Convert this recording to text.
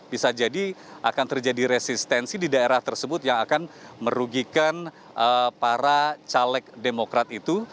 bisa jadi akan terjadi resistensi di daerah tersebut yang akan merugikan para caleg demokrat itu